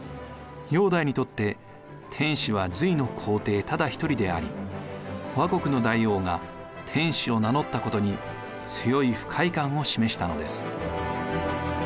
煬帝にとって「天子」は隋の皇帝ただ一人であり倭国の大王が「天子」を名乗ったことに強い不快感を示したのです。